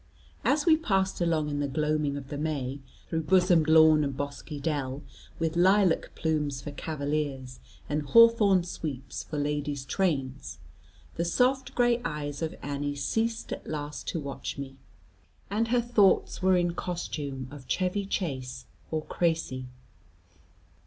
As we passed along in the gloaming of the May, through bosomed lawn and bosky dell, with lilac plumes for cavaliers, and hawthorn sweeps for ladies' trains, the soft gray eyes of Annie ceased at last to watch me, and her thoughts were in costume of Chevy Chase or Crecy.